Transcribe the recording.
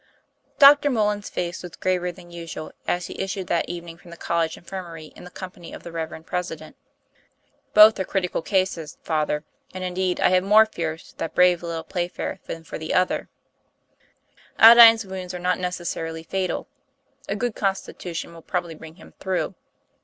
DR. MULLAN'S face was graver than usual as he issued that evening from the college infirmary in the company of the reverend President. ' Both are critical cases, Father, and, indeed, I have more fears for that brave little Playfair than TOM PLA YFAIR. 233 for the other. Aldine's wounds are not necessarily fatal; a good constitution will probably bring him through.